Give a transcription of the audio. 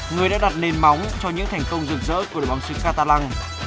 người đã đặt nền móng cho những thành công rực rỡ của đội bóng sứ catalang